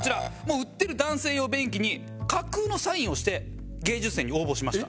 売ってる男性用便器に架空のサインをして芸術展に応募しました。